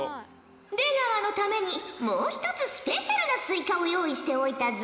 出川のためにもう一つスペシャルなスイカを用意しておいたぞ！